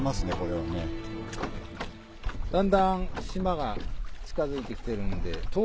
だんだん島が近づいて来てるんで。